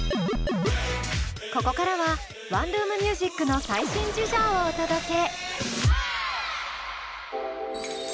ここからはワンルーム☆ミュージックの最新事情をお届け。